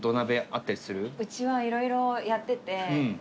家はいろいろやってて。